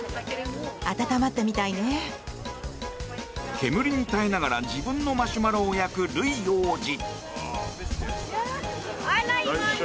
煙に耐えながら自分のマシュマロを焼くルイ王子。